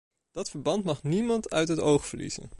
Dat verband mag niemand uit het oog verliezen.